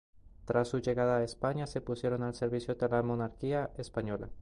Tras su llegada a España se pusieron al servicio de la monarquía española.